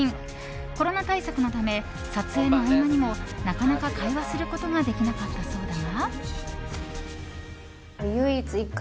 コロナ対策のため撮影の合間にもなかなか会話することができなかったそうだが。